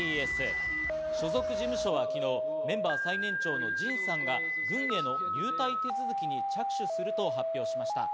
所属事務所は昨日、メンバー最年長のＪＩＮさんが軍への入隊手続きに着手すると発表しました。